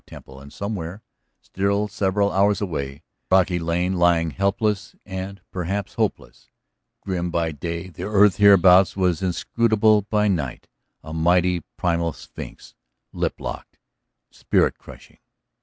Temple, and somewhere, still several hours away, Brocky Lane lying helpless and perhaps hopeless; grim by day the earth hereabouts was inscrutable by night, a mighty, primal sphinx, lip locked, spirit crushing.